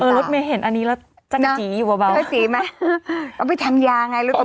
เออรถเมย์เห็นอันนี้แล้วจัดจี๋อยู่บ้างเอาไปทำยาไงรถเมย์